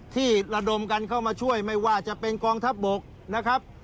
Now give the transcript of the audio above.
ที่ระดมกันเข้ามาช่วยไม่ว่าจะเป็นกองทัพบกนะครับ